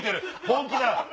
本気だ！